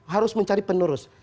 harus mencari penerus